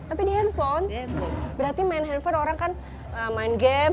tapi di handphone berarti main handphone orang kan main game